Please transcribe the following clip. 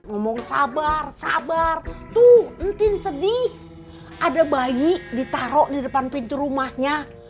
ngomong sabar sabar tuh entin sedih ada bayi ditaruh di depan pintu rumahnya